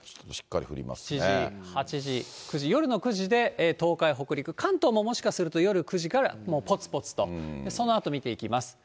７時、８時、９時、夜の９時で東海、北陸、関東ももしかすると、夜９時からもうぽつぽつと、そのあと見ていきます。